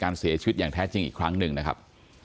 เสียชีวิตอย่างแท้จริงอีกครั้งหนึ่งนะครับ